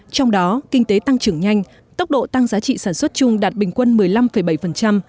trong đó kinh tế tăng trưởng nhanh tốc độ tăng giá trị sản xuất chung đạt bình quân một mươi năm bảy